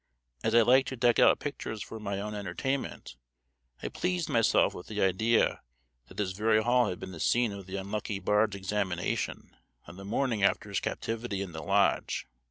As I like to deck out pictures for my own entertainment, I pleased myself with the idea that this very hall had been the scene of the unlucky bard's examination on the morning after his captivity in the lodge.